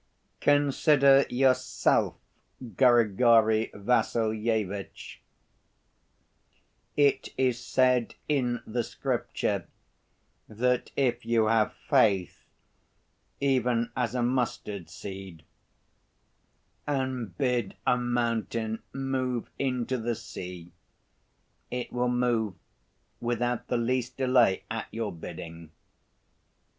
"Consider yourself, Grigory Vassilyevitch; it is said in the Scripture that if you have faith, even as a mustard seed, and bid a mountain move into the sea, it will move without the least delay at your bidding.